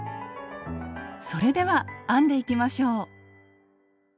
それでは編んでいきましょう！